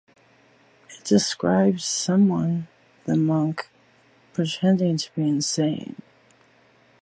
It describes Symeon the monk pretending to be insane.